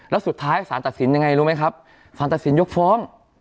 แล้วสุดท้ายสารตัดสินยังไงรู้ไหมครับสารตัดสินยกฟ้อง